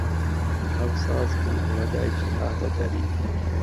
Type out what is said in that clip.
ئەوساز بوو ئهوە دایکی هاته دەری